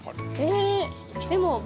でも。